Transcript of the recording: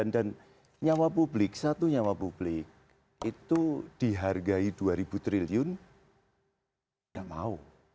dan nyawa publik satu nyawa publik itu dihargai dua ribu triliun tidak mau